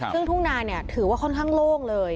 ซึ่งทุ่งนาถือว่าค่อนข้างโล่งเลย